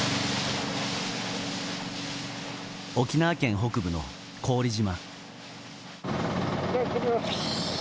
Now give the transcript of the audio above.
沖縄県北部の古宇利島。